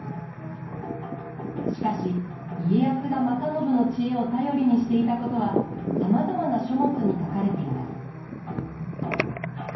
しかし家康が正信の知恵を頼りにしていたことはさまざまな書物に書かれています。